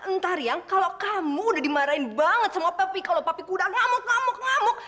ntar yang kalau kamu udah dimarahin banget sama papi kalau papi kuda ngamuk ngamuk ngamuk